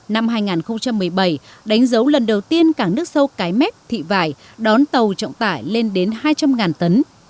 năm hai nghìn một mươi bảy đánh dấu lần đầu tiên cảng nước sâu cái mép thị vải đón tàu trọng tải lên đến hai trăm linh tấn